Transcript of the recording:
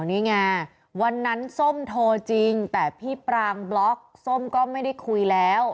นี่ไงวันนั้นส้มโทรจริงแต่พี่ปรางบล็อกส้มก็ไม่ได้คุยแล้ว